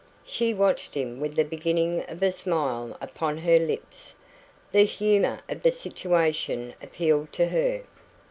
She watched him with the beginning of a smile upon her lips. The humour of the situation appealed to her.